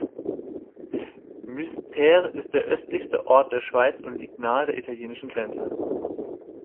Müstair ist der östlichste Ort der Schweiz und liegt nahe der italienischen Grenze.